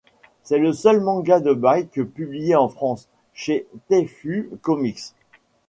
C'est le seul manga de Bikke publié en France, chez Taifu Comics.